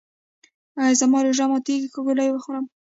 ایا زما روژه ماتیږي که ګولۍ وخورم؟